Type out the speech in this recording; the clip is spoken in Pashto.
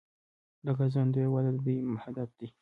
د ګرځندوی وده د دوی هدف دی.